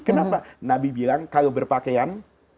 kenapa nabi bilang kalau berpakaian